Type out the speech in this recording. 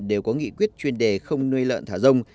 đều có nghị quyết chuyên đề không nuôi lợn thả rông